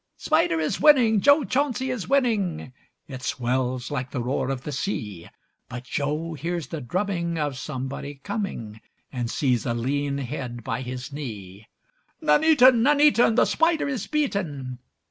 'Spider is winning!' 'Jo Chauncy is winning!' It swells like the roar of the sea; But Jo hears the drumming of somebody coming, And sees a lean head by his knee. 'Nuneaton! Nuneaton! The Spider is beaten!